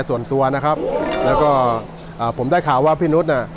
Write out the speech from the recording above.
ส่วนตัวนะครับแล้วก็อ่าผมได้ข่าวว่าพี่นุษย์